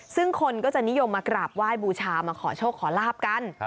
ซึ่งคนก็จะนิยมมากราบไหว้บูชามาขอโชคขอลาบกัน